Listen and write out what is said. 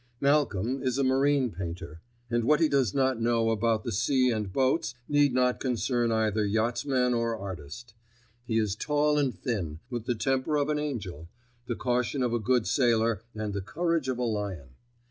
Malcolm is a marine painter, and what he does not know about the sea and boats need not concern either yachtsman or artist. He is tall and thin, with the temper of an angel, the caution of a good sailor and the courage of a lion.